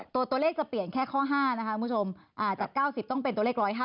ตัวเลขจะเปลี่ยนแค่ข้อ๕นะคะคุณผู้ชมจาก๙๐ต้องเป็นตัวเลข๑๕